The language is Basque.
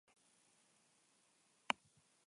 Hala ere, egunez egun aztertuko dute egoera.